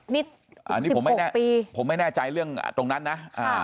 นี่อันนี้ผมไม่สิบหกปีผมไม่แน่ใจเรื่องอ่าตรงนั้นน่ะค่ะ